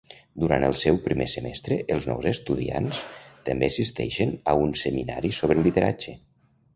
Durant el seu primer semestre, els nous estudiants també assisteixen a un seminari sobre lideratge.